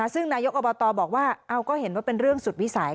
ซึ่งนายกอบตบอกว่าเอาก็เห็นว่าเป็นเรื่องสุดวิสัย